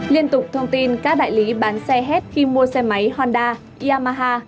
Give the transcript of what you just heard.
liên tục thông tin các đại lý bán xe hết khi mua xe máy honda yamaha